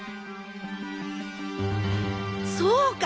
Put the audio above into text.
そうか！